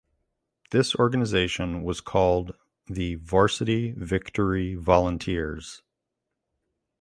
This organization was called the Varsity Victory Volunteers.